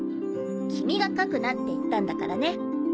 君が書くなって言ったんだからね。